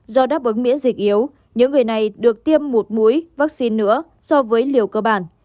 do đáp ứng miễn dịch yếu những người này được tiêm một mũi vaccine nữa so với liều cơ bản